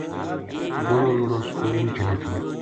بڑو لُڑو سکول نیہہ چلے تھو